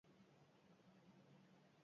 Argazkilarien ibilgailua erre egin zuten.